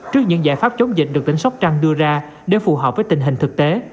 trước những giải pháp chống dịch được tỉnh sóc trăng đưa ra để phù hợp với tình hình thực tế